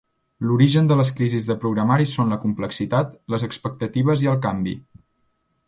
L'origen de les crisis de programari són la complexitat, les expectatives i el canvi.